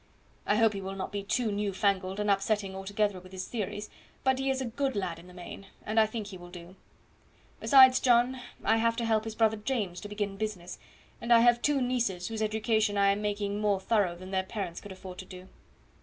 I hope he will not be too new fangled and upsetting altogether with his theories; but he is a good lad in the main, and I think he will do. Besides John, I have to help his brother James to begin business, and I have two nieces whose education I am making more thorough than their parents could afford to do."